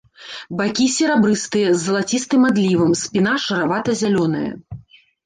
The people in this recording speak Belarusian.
Бакі серабрыстыя з залацістым адлівам, спіна шаравата-зялёная.